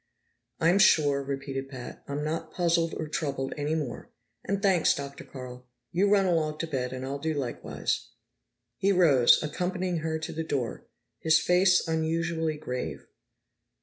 "I'm sure," repeated Pat. "I'm not puzzled or troubled any more. And thanks, Dr. Carl. You run along to bed and I'll do likewise." He rose, accompanying her to the door, his face unusually grave.